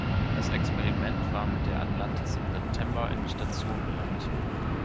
Das Experiment war mit der Atlantis im September in die Station gelangt.